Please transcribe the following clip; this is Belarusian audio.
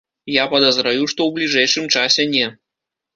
Я падазраю, што ў бліжэйшым часе не.